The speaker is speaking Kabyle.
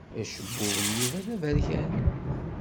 Acebbub n Yuba d aberkan.